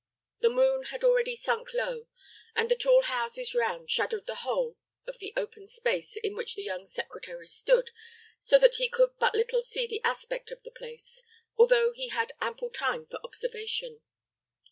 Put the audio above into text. The moon had already sunk low, and the tall houses round shadowed the whole of the open space in which the young secretary stood, so that he could but little see the aspect of the place, although he had ample time for observation.